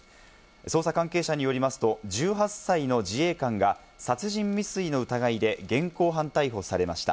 捜査関係者によりますと、１８歳の自衛官が殺人未遂の疑いで現行犯逮捕されました。